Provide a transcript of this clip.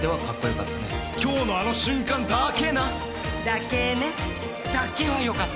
今日のあの瞬間だけな。だけね。だけは良かった。